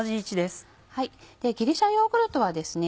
ギリシャヨーグルトはですね